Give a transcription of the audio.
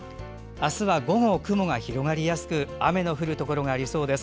明日は午後、雲が広がりやすく雨の降るところがありそうです。